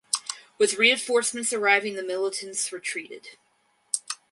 With reinforcements arriving the militants retreated.